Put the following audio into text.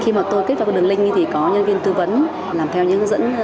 khi mà tôi kết vào cái đường link thì có nhân viên tư vấn làm theo những hướng dẫn